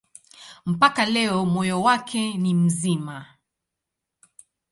Mpaka leo moyo wake ni mzima.